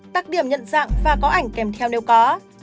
đặc điểm nhận dạng và có ảnh kèm theo nếu có